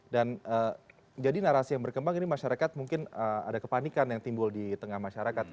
dan jadi narasi yang berkembang ini masyarakat mungkin ada kepanikan yang timbul di tengah masyarakat